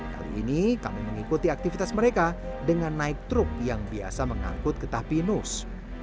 kali ini kami mengikuti aktivitas mereka dengan naik truk yang biasa mengangkut getah pinus